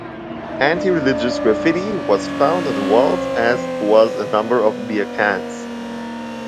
Anti-religious graffiti was found on the walls, as was a number of beer cans.